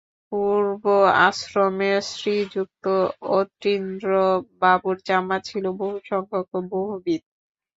পূর্ব আশ্রমে শ্রীযুক্ত অতীন্দ্রবাবুর জামা ছিল বহুসংখ্যক ও বহুবিধ।